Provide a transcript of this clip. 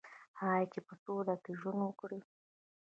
آیا چې په سوله کې ژوند وکړي؟